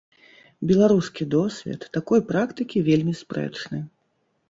Беларускі досвед такой практыкі вельмі спрэчны.